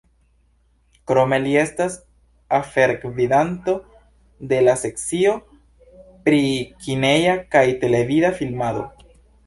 Krome li estas afergvidanto de la sekcio pri kineja kaj televida filmado.